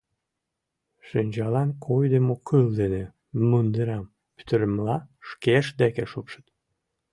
Шинчалан койдымо кыл дене мундырам пӱтырымыла шкешт деке шупшыт.